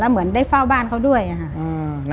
และเหมือนได้เหล้าบ้านเขาด้วยอ่ะค่ะ